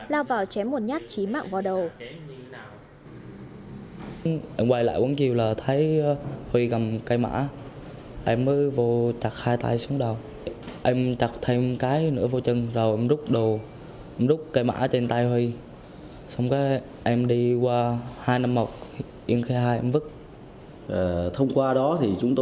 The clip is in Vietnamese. lao vào chém một nhát trí mạng vào đầu